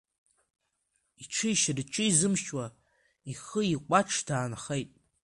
Иҽишьыр иҽизымшьуа, ихы икәаҽ даанхеит…